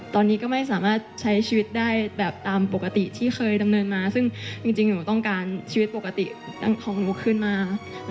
ตอนนี้ก็ไม่สามารถใช้ชีวิตได้แบบตามปกติที่เคยดำเนินมาซึ่งจริงหนูต้องการชีวิตปกติของหนูขึ้นมา